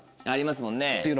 ありますもんね。